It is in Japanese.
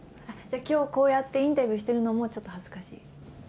きょう、こうやってインタビューしてるのも、ちょっと恥ずかしい？